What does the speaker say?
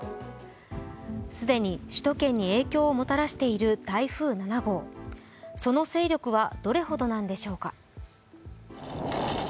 既に首都圏に影響をもたらしている台風７号、その勢力はどれほどなんでしょうか。